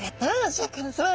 シャーク香音さま